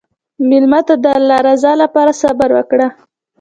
مېلمه ته د الله رضا لپاره صبر وکړه.